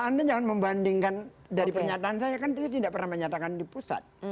anda jangan membandingkan dari pernyataan saya kan beliau tidak pernah menyatakan di pusat